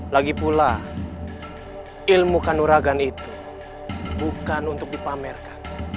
lagipula ilmu kanuragan itu bukan untuk dipamerkan